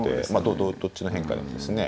どっちの変化でもですね